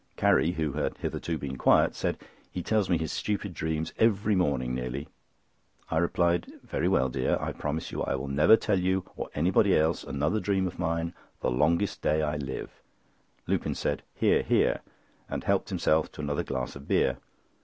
Carrie, who had hitherto been quiet, said: "He tells me his stupid dreams every morning nearly." I replied: "Very well, dear, I promise you I will never tell you or anybody else another dream of mine the longest day I live." Lupin said: "Hear! hear!" and helped himself to another glass of beer.